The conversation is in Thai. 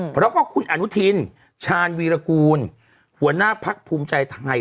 เพราะว่าคุณอนุทินชาญวีรกูลหัวหน้าพักภูมิใจไทย